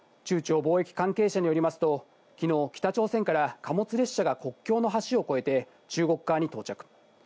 中朝貿易関係者によりますと、昨日、北朝鮮から貨物列車が国境の橋を越えて中国側に到着。